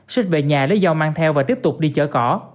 xết về nhà lấy dao mang theo và tiếp tục đi chở cỏ